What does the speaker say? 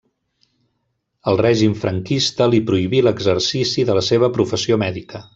El règim franquista li prohibí l'exercici de la seva professió mèdica.